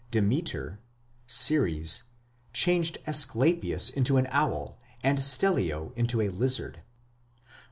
Demeter (Ceres) changed Ascalaphus into an owl and Stellio into a lizard.